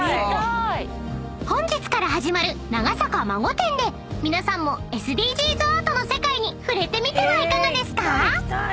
［本日から始まる長坂真護展で皆さんもＳＤＧｓアートの世界に触れてみてはいかがですか？］